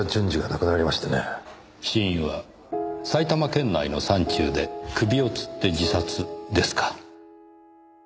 死因は埼玉県内の山中で首をつって自殺ですか。